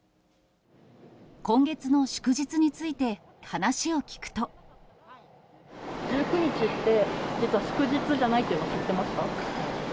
今月の祝日について、話を聞１９日って、実は祝日じゃないって知ってました？